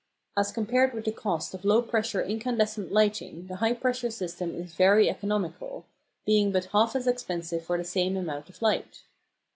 As compared with the cost of low pressure incandescent lighting the high pressure system is very economical, being but half as expensive for the same amount of light.